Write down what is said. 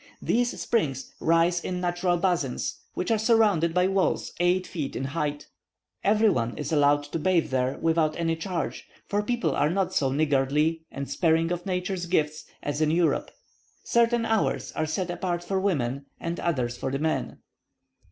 These springs rise in natural basins, which are surrounded by walls eight feet in height. Every one is allowed to bathe there without any charge, for people are not so niggardly and sparing of nature's gifts as in Europe. Certain hours are set apart for women, and others for the men.